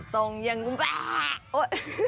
ทรงยังแบด